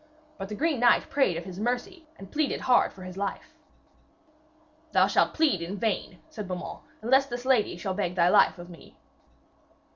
But the green knight prayed of his mercy and pleaded hard for his life. 'Thou shalt plead in vain,' said Beaumains, 'unless this lady shall beg thy life of me.'